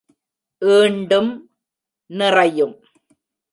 ஈண்டும் — நிறையும்.